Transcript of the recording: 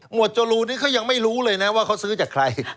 จรูนนี้เขายังไม่รู้เลยนะว่าเขาซื้อจากใคร